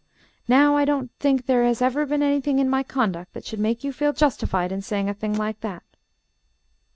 Now I don't think there has ever been anything in my conduct that should make you feel justified in saying a thing like that."